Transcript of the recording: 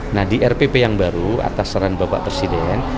nah di rpp yang baru atas saran bapak presiden